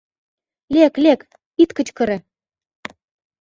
Лек, лек, ит кычкыре!